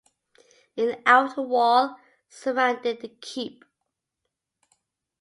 An outer wall surrounded the keep.